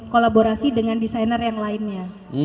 kolaborasi dengan desainer yang lainnya